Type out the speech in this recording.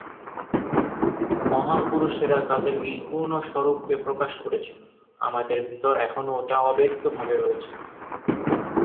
মহাপুরুষেরা তাঁদের এই পূর্ণস্বরূপকে প্রকাশ করেছেন, আমাদের ভিতর এখনও ওটা অব্যক্তভাবে রয়েছে।